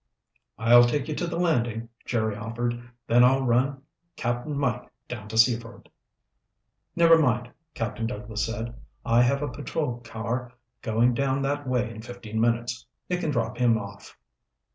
"I'll take you to the landing," Jerry offered, "then I'll run Cap'n Mike down to Seaford." "Never mind," Captain Douglas said. "I have a patrol car going down that way in fifteen minutes. It can drop him off."